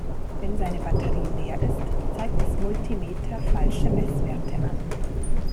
Wenn seine Batterie leer ist, zeigt das Multimeter falsche Messwerte an.